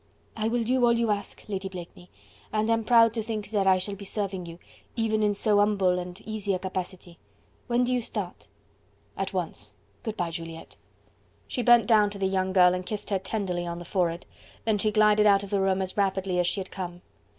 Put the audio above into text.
"I will do all you ask, Lady Blakeney, and am proud to think that I shall be serving you, even in so humble and easy a capacity. When do you start?" "At once. Good bye, Juliette." She bent down to the young girl and kissed her tenderly on the forehead, then she glided out of the room as rapidly as she had come.